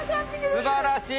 すばらしい！